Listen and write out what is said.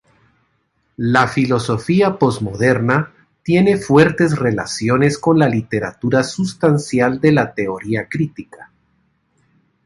La filosofía posmoderna tiene fuertes relaciones con la literatura sustancial de la teoría crítica.